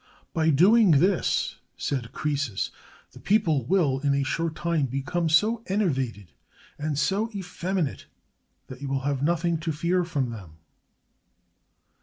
"By doing this," said Croesus, "the people will, in a short time, become so enervated and so effeminate that you will have nothing to fear from them."